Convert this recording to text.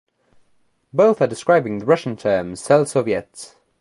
Both are describing the Russian term "selsoviet".